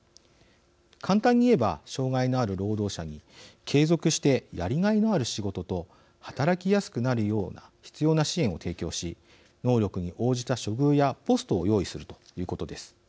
簡単に言えば障害のある労働者に継続してやりがいのある仕事と働きやすくなるよう必要な支援を提供し能力に応じた処遇やポストを用意するということです。